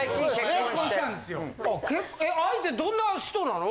相手どんな人なの？